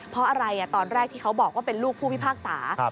เพราะอะไรตอนแรกที่เขาบอกว่าเป็นลูกผู้พิพากษา